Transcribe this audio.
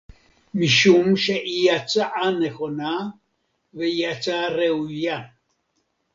משום שהיא הצעה נכונה והיא הצעה ראויה